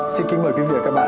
xin kính mời quý vị và các bạn